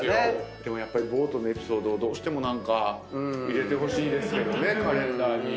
でもボートのエピソードどうしても何か入れてほしいですけどねカレンダーに。